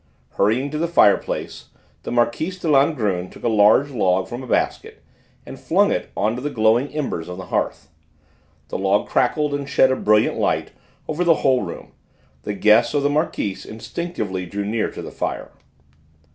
Hurrying to the fireplace, the Marquise de Langrune took a large log from a basket and flung it on to the glowing embers on the hearth; the log crackled and shed a brilliant light over the whole room; the guests of the Marquise instinctively drew near to the fire.